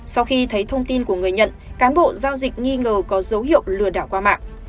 sau khi thấy thông tin của người nhận cán bộ giao dịch nghi ngờ có dấu hiệu lừa đảo qua mạng